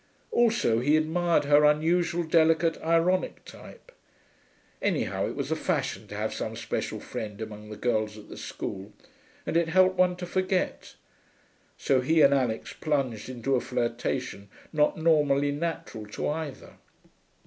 Also he admired her unusual, delicate, ironic type. Anyhow it was the fashion to have some special friend among the girls at the school, and it helped one to forget. So he and Alix plunged into a flirtation not normally natural to either.